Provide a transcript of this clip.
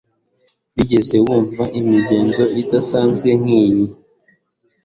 Wigeze wumva imigenzo idasanzwe nkiyi